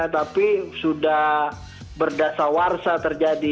tapi sudah berdasar warsa terjadi